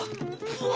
うわ！